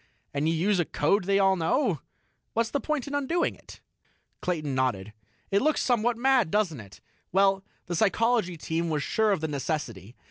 And you use a code they all know. What's the point in undoing it?" Clayton nodded. "It looks somewhat mad, doesn't it? Well ... the Psychology Team was sure of the necessity.